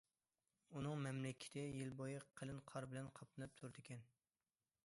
ئۇنىڭ مەملىكىتى يىل بويى قېلىن قار بىلەن قاپلىنىپ تۇرىدىكەن.